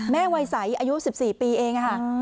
วัยใสอายุ๑๔ปีเองค่ะ